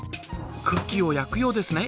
クッキーを焼くようですね。